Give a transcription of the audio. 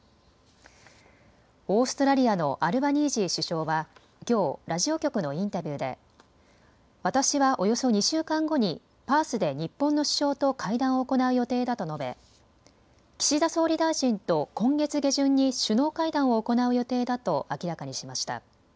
オーストラリアのアルバニージー首相はきょう、ラジオ局のインタビューで、私はおよそ２週間後にパースで日本の首相と会談を行う予定だと述べ、岸田総理大臣と今月下旬に首脳会談を行う予定だと明らかにしました。